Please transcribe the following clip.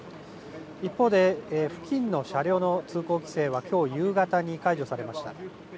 一方で付近の車両の通行規制は今日、夕方に解除されました。